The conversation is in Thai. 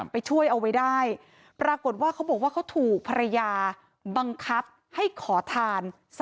ไปช่วยเอาไว้ได้ปรากฏว่าเขาบอกว่าเขาถูกภรรยาบังคับให้ขอทาน